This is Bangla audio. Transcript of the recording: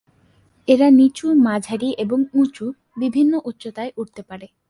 এরা নিচু, মাঝারি এবং উঁচু বিভিন্ন উচ্চতায় উড়তে পারে।